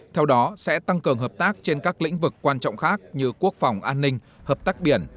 theo đó sẽ tăng cường hợp tác trên các lĩnh vực quan trọng khác như quốc phòng an ninh hợp tác biển